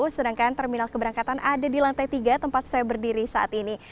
sedangkan terminal keberangkatan ada di lantai tiga tempat saya berdiri saat ini